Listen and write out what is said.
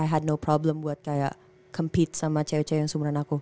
i had no problem buat kayak compete sama cewek cewek yang sumberan aku